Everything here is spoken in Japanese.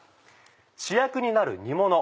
主役になる煮もの